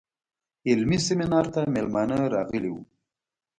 علمي سیمینار ته میلمانه راغلي وو.